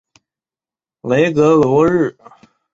雷格罗日。